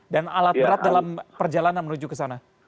dan alat berat dalam perjalanan menuju ke sana